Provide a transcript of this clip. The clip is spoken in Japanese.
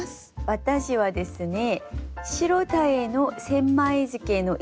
私はですね。